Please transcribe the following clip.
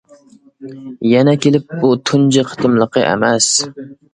يەنە كېلىپ بۇ تۇنجى قېتىملىقى ئەمەس.